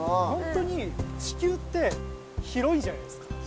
ホントに地球って広いじゃないですか。